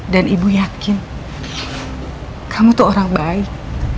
dan ibu yakin kamu tuh orang baik